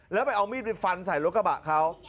แล้วไปเอามีดไปฟันใส่รถกระบะเขา